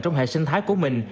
trong hệ sinh thái của mình